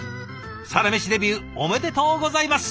サラメシデビューおめでとうございます！